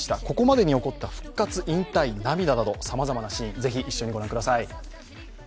ここまでに起こった復活、引退、涙などさまざまなシーン、ぜひ一緒にご覧ください。